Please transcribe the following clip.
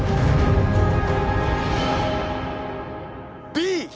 Ｂ！